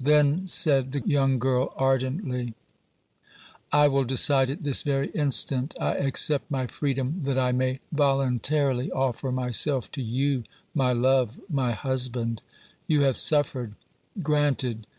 "Then," said the young girl, ardently, "I will decide it this very instant. I accept my freedom that I may voluntarily offer myself to you, my love, my husband. You have suffered. Granted.